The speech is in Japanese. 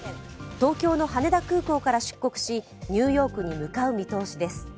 東京の羽田空港から出国し、ニューヨークに向かう見通しです。